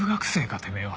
てめえは。